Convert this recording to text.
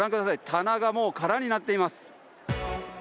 棚がもう空になっています。